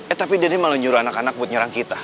eh tapi dia ini malah nyuruh anak anak buat nyerang kita